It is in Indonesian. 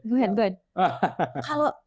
dua duanya nanti siapa dulu deh